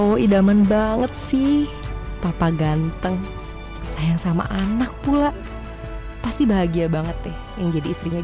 aku masih kaget sama anak kamu dan kamu juga